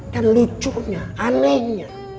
dan lucunya anehnya